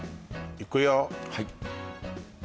いくよはい